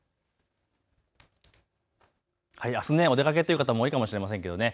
あす、お出かけという方も多いかもしれませんね。